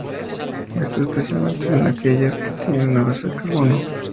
Esto, especialmente en aquellas que tienen una base de carbono.